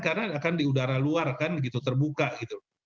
karena akan di udara luar kan terbuka gitu